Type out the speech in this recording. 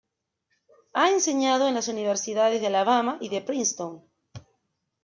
Ha enseñado en las universidad de Alabama y de Princeton.